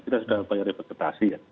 kita sudah upaya repektasi ya